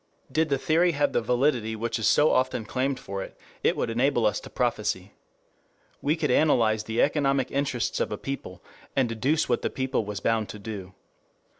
Did the theory have the validity which is so often claimed for it, it would enable us to prophesy. We could analyze the economic interests of a people, and deduce what the people was bound to do.